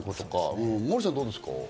モーリーさん、どうですか？